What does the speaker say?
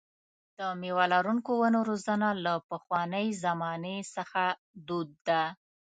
د مېوه لرونکو ونو روزنه له پخوانۍ زمانې څخه دود ده.